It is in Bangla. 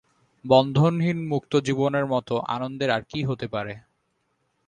বন্ধনহীন মুক্ত জীবনের মতো আনন্দের আর কী হতে পারে?